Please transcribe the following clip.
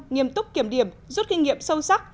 nghiêm túc kiểm điểm rút kinh nghiệm sâu sắc